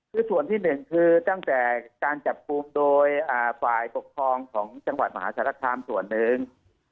คือส่วนที่หนึ่งคือตั้งแต่การจับกลุ่มโดยฝ่ายปกครองของจังหวัดมหาสารคามส่วนหนึ่ง